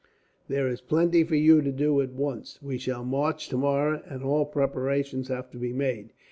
There is plenty for you to do, at once. We shall march tomorrow, and all preparations have to be made.